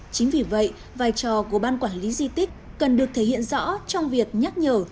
chính vì vậy vai trò của ban quản lý di tích cần được thể hiện rõ trong việc nhắc nhở